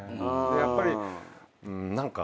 やっぱり何か。